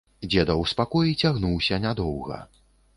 Дзедаў спакой цягнуўся нядоўга.